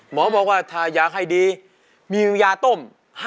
หมอบอกว่าถ่ายาไข่ดีมียาต้ม๕๐๐